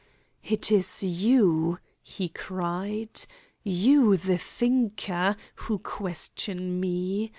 "It is you," he cried, "you, the thinker, who question me.